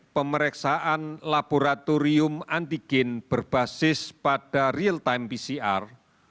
pemeriksaan laboratorium antigen berbasis pada real time pcr